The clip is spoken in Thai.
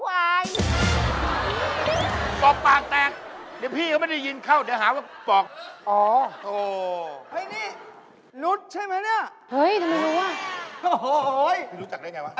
เฮ้ยทำไมรู้วะโอ้โฮพี่รู้จักได้อย่างไรวะ